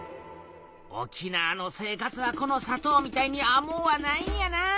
沖縄の生活はこのさとうみたいにあもうはないんやなあ。